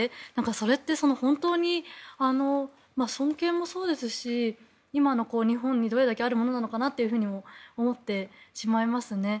それって本当に尊敬もそうですし、今の日本にどれだけあるものなのかなと思ってしまいますね。